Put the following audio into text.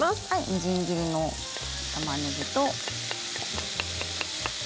みじん切りのたまねぎ。